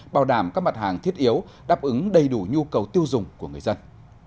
bảo đảm các mặt hàng thiết yếu đáp ứng đầy đủ nhu cầu tiêu dùng của người dân